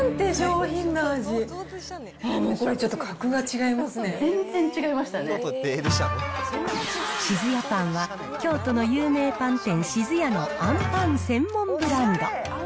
シズヤパンは、京都の有名パン店、志津屋のあんパン専門ブランド。